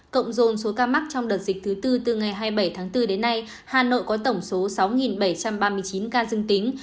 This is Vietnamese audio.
cộng dồn số ca mắc trong đợt dịch thứ tư từ ngày hai mươi bảy tháng bốn đến nay hà nội có tổng số sáu bảy trăm ba mươi chín ca dương tính